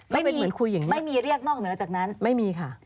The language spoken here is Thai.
ไม่มีเหมือนคุยอย่างนี้ไม่มีเรียกนอกเหนือจากนั้นไม่มีค่ะ